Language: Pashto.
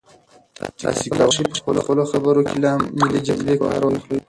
تاسي کولای شئ په خپلو خبرو کې له ملي جذبې کار واخلئ.